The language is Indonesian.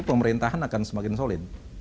pemerintahan akan semakin solid